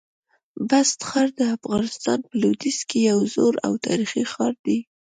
بست ښار د افغانستان په لودیځ کي یو زوړ او تاریخي ښار دی.